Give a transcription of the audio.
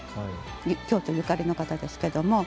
京都ゆかりの方ですけども。